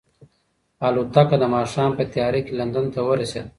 الوتکه د ماښام په تیاره کې لندن ته ورسېده.